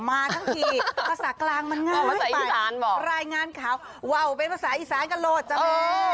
มาทั้งทีภาษากลางมันง่ายเกินไปรายงานข่าวว่าวเป็นภาษาอีสานกันโหลดจ้ะแม่